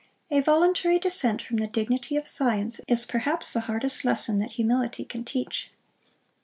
A voluntary descent from the dignity of science is perhaps the hardest lesson that humility can teach.